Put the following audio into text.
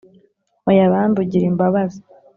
oya bambe ugira imbabazi